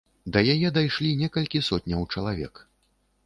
Да яе дайшлі некалькі сотняў чалавек.